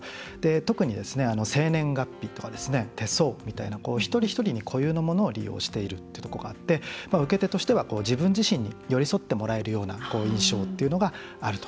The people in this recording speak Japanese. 特に、生年月日とか手相みたいな一人一人に固有のものを利用しているということがあって受け手としては、自分自身に寄り添ってもらえるような印象っていうのがあると。